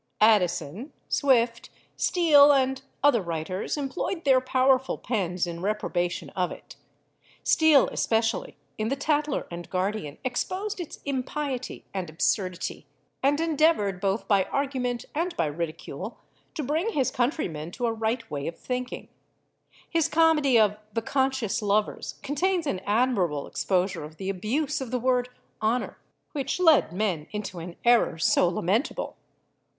Addison, Swift, Steele, and other writers employed their powerful pens in reprobation of it. Steele especially, in the Tatler and Guardian, exposed its impiety and absurdity, and endeavoured both by argument and by ridicule to bring his countrymen to a right way of thinking. His comedy of The Conscious Lovers contains an admirable exposure of the abuse of the word honour, which led men into an error so lamentable.